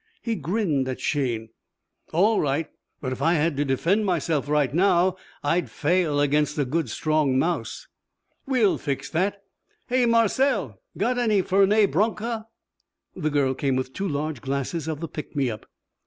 He grinned at Shayne. "All right. But if I had to defend myself right now I'd fail against a good strong mouse." "We'll fix that. Hey! Marcelle! Got any Fernet Branca?" The girl came with two large glasses of the pick me up.